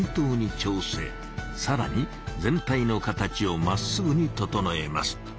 さらに全体の形をまっすぐに整えます。